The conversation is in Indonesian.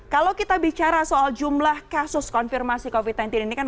kalau kita bicara soal jumlah kasus konfirmasi covid sembilan belas ini kan